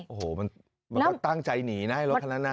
โอ้โหมันก็ตั้งใจหนีนะให้รถคันนั้นนะ